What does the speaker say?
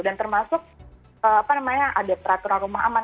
dan termasuk apa namanya ada peraturan rumah aman